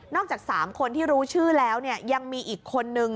จาก๓คนที่รู้ชื่อแล้วเนี่ยยังมีอีกคนนึง